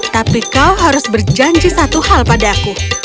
tapi kau harus berjanji satu hal padaku